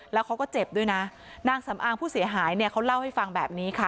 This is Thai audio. แล้วเขาก็เจ็บด้วยนะนางสำอางผู้เสียหายเนี่ยเขาเล่าให้ฟังแบบนี้ค่ะ